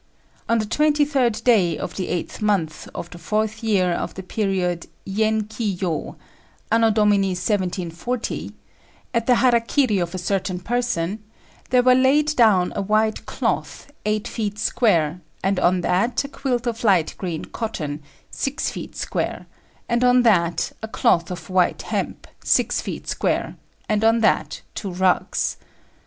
On the twenty third day of the eighth month of the fourth year of the period Yenkiyô (A.D. 1740), at the hara kiri of a certain person there were laid down a white cloth, eight feet square, and on that a quilt of light green cotton, six feet square, and on that a cloth of white hemp, six feet square, and on that two rugs.